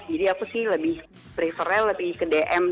jadi aku sih prefernya lebih ke dm